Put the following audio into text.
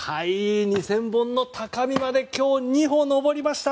２０００本の高みまで今日、２歩登りました。